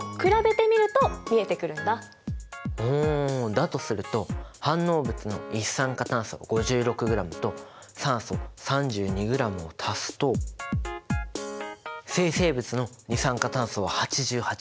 だとすると反応物の一酸化炭素５６ｇと酸素３２ｇを足すと生成物の二酸化炭素は８８ｇ。